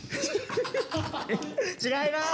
違います！